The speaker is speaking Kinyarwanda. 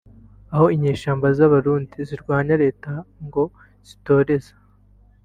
aho inyeshyamba z’abarundi zirwanya Leta ngo zitoreza